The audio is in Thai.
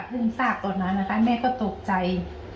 ทราบตอนนั้นนะคะแม่ก็ตกใจ